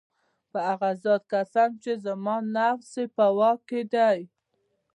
په هغه ذات قسم چي زما نفس ئې په واك كي دی